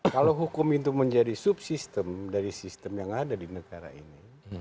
kalau hukum itu menjadi subsistem dari sistem yang ada di negara ini